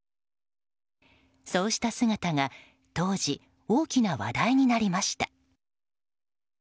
そうした姿が当時、大きな話題になりました。